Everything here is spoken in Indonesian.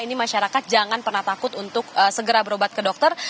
ini masyarakat jangan pernah takut untuk segera berobat ke dokter